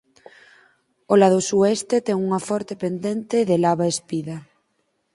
O lado sueste ten unha forte pendente de lava espida.